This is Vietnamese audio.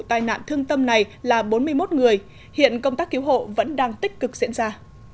tai nạn thương tâm này là bốn mươi một người hiện công tác cứu hộ vẫn đang tích cực diễn ra